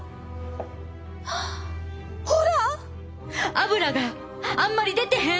アブラがあんまり出てへん！